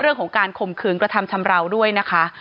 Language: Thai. เรื่องของการข่มขืนกระทำชำราวด้วยนะคะ